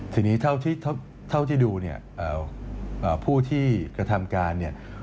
ทีนี้เท่าที่ดูเนี่ยผู้ที่กระทำการเนี่ย